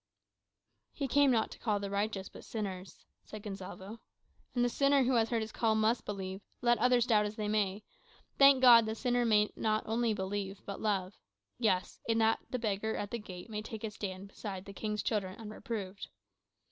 "'He came not to call the righteous, but sinners,'" said Gonsalvo. "And the sinner who has heard his call must believe, let others doubt as they may. Thank God, the sinner may not only believe, but love. Yes; in that the beggar at the gate may take his stand beside the king's children unreproved.